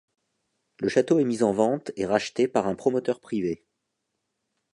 Le château est mis en vente et racheté par un promoteur privé.